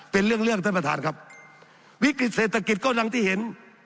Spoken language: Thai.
เป็นเรื่องเรื่องท่านประธานครับวิกฤติเศรษฐกิจก็ยังที่เห็น